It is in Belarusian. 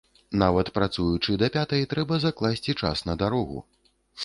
Нават працуючы да пятай, трэба закласці час на дарогу.